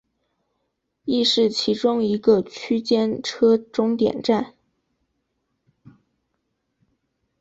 亦是其中一个区间车终点站。